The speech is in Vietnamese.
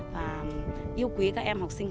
và yêu quý các em học sinh